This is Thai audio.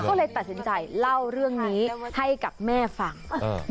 ก็เลยตัดสินใจเล่าเรื่องนี้ให้กับแม่ฟัง